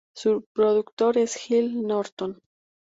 Su productor es Gil Norton.